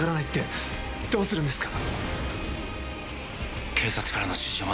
どうするんですか？